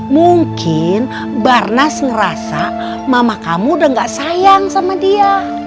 mungkin barnas ngerasa mama kamu udah gak sayang sama dia